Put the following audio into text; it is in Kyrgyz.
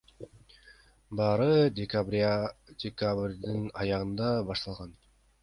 Баары декабрдын аягында башталган.